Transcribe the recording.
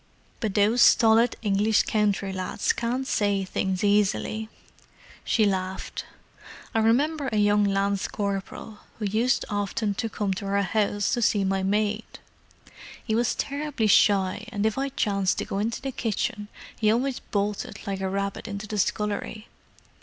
But those stolid English country lads can't say things easily." She laughed. "I remember a young lance corporal who used often to come to our house to see my maid. He was terribly shy, and if I chanced to go into the kitchen he always bolted like a rabbit into the scullery.